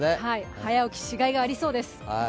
早起きしがいがありそうです。